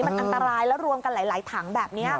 มันอันตรายแล้วรวมกันหลายถังแบบนี้